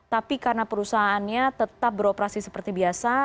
tapi karena perusahaannya tetap beroperasi seperti biasa